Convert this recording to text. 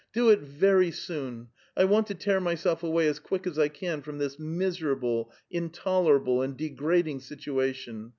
" Do it very soon ; I Avant to tear myself away as quick as I can from this miserable, intolerable, and degrading situation.